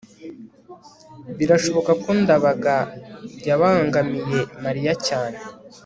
birashoboka ko ndabaga yabangamiye mariya cyane